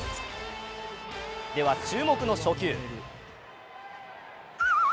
では、注目の初球。